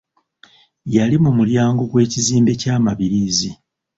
Yali mu mulyango gw’ekizimbe kya mabirizi.